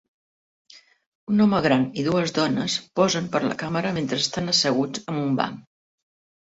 Un home gran i dues dones posen per la càmera mentre estan asseguts en un banc.